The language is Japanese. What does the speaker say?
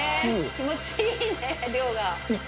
気持ちいいね量が。